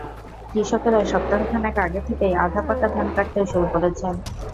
কৃষকেরা সপ্তাহ খানেক আগে থেকেই আধা পাকা ধান কাটতে শুরু করেছেন।